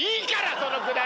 そのくだり